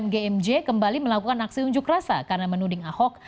gmj kembali melakukan aksi unjuk rasa karena menuding ahok